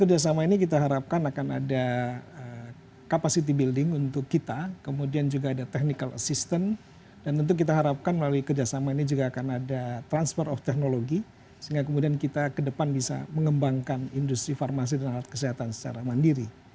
kerjasama ini kita harapkan akan ada capacity building untuk kita kemudian juga ada technical assistant dan tentu kita harapkan melalui kerjasama ini juga akan ada transfer of technology sehingga kemudian kita ke depan bisa mengembangkan industri farmasi dan alat kesehatan secara mandiri